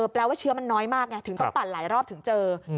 แปลว่าเชื้อมันน้อยมากไงถึงต้องปั่นหลายรอบถึงเจอ